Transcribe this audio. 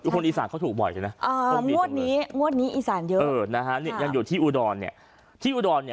คนอีสานเขาถูกบ่อยใช่ไหมมวดนี้อีสานเยอะยังอยู่ที่อูดรณ์เนี่ย